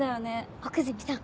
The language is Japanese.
奥泉さん。